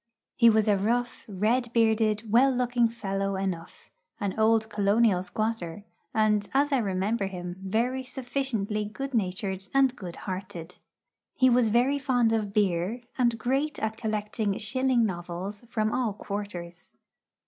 He was a rough, red bearded, well looking fellow enough an old colonial squatter and, as I remember him, very sufficiently good natured and good hearted. He was very fond of beer, and great at collecting shilling novels from all quarters.